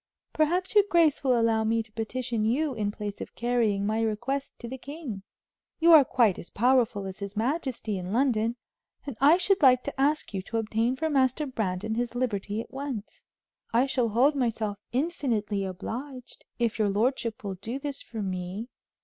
Perhaps your grace will allow me to petition you in place of carrying my request to the king. You are quite as powerful as his majesty in London, and I should like to ask you to obtain for Master Brandon his liberty at once. I shall hold myself infinitely obliged, if your lordship will do this for me."